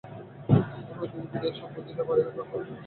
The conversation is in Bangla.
তোমরা ধীরে ধীরে এইসব বুঝিতে পারিবে, তখন সমস্ত যৌন ভাবও দূরে চলিয়া যাইবে।